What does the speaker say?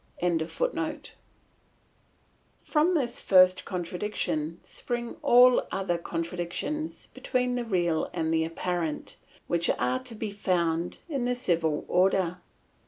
] From this first contradiction spring all the other contradictions between the real and the apparent, which are to be found in the civil order.